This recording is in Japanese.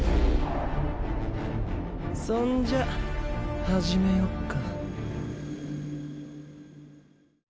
そんじゃ始めよっか。